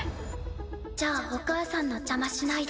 じゃあお母さんの邪魔しないで。